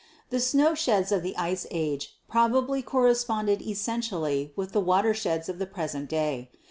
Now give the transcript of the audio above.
The snow sheds of the Ice Age probably cor responded essentially with the water sheds of the present day.